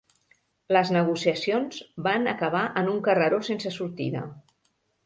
Les negociacions van acabar en un carreró sense sortida.